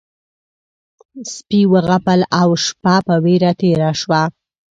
سپي وغپل او شپه په وېره تېره شوه.